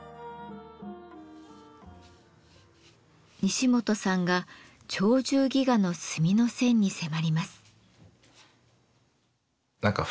西元さんが「鳥獣戯画」の墨の線に迫ります。